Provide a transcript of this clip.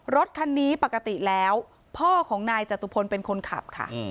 รถคันนี้ปกติแล้วพ่อของนายจตุพลเป็นคนขับค่ะ